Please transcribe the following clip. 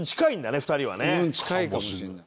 うん近いかもしれない。